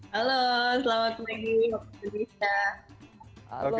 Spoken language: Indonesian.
halo selamat pagi waktu indonesia